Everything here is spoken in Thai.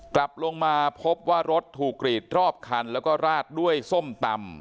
กลับลงมาพบว่ารถถูกกรีดรอบคันแล้วก็ราดด้วยส้มตำ